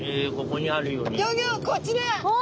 こちら！